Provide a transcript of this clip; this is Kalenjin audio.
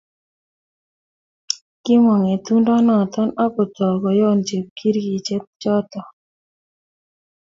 Kimomg ngetundo noto akotou koyon cheptikirchek choto